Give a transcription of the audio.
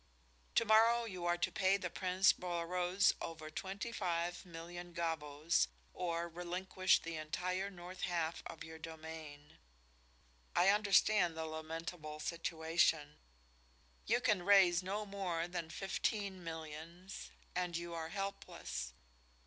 To morrow you are to pay to Prince Bolaroz over twenty five million gavvos or relinquish the entire north half of your domain. I understand the lamentable situation. You can raise no more than fifteen millions and you are helpless.